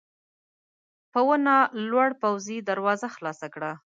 په ونه لوړ پوځي دروازه خلاصه کړه.